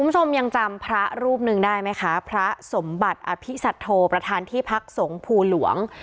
คุณผู้ชมยังจำพระรูปหนึ่งได้ไหมคะพระสมบัติอภิสัตโธประธานที่พักสงภูหลวง